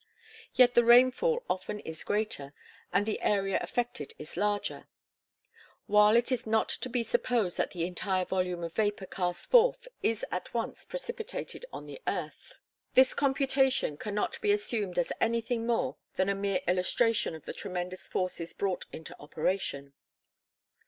Yet the rainfall often is greater, and the area affected is larger; while it is not to be supposed that the entire volume of vapor cast forth is at once precipitated on the earth. This computation can not be assumed as anything more than a mere illustration of the tremendous forces brought into operation.